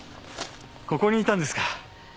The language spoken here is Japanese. ここにいたんですか。